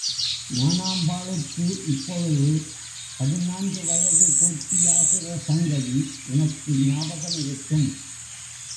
ஞானாம்பாளுக்கு இப்பொழுது பதினான்கு வயது பூர்த்தியாகிற சங்கதி உனக்கு ஞாபகமிருக்கும்.